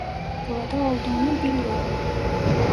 Burada olduğunu biliyorum!